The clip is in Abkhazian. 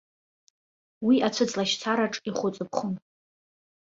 Уи ацәыҵлашьцараҿ ихәыҵыԥхон.